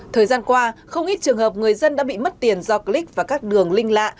thời gian qua không ít trường hợp người dân đã bị mất tiền do click vào các đường link lạ